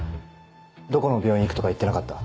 どこの病院行くとか言ってなかった？